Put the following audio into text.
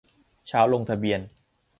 เช้าลงทะเบียน